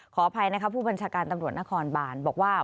ขออภัยนะคะผู้บัญชาการตำรวจนครบานบอกว่า